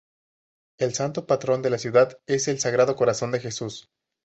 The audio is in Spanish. El Santo patrón de la ciudad es el Sagrado Corazón de Jesús.